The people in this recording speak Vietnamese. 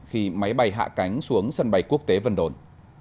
khi máy bay hạ cánh xuống sân bay quốc tế vân đồn